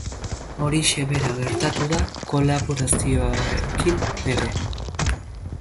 Horixe bera gertatu da kolaborazioekin ere.